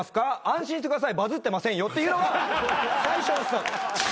「安心してくださいバズってませんよ」っていうのが最初のスタート。